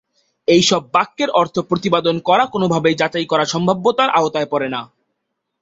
এইসব বাক্যের অর্থ প্রতিপাদন করা কোনোভাবেই যাচাই করার সম্ভাব্যতার আওতায় পড়ে না।